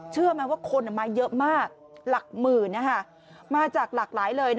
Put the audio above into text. เชื่อไหมว่าคนมาเยอะมากหลักหมื่นมาจากหลากหลายเลย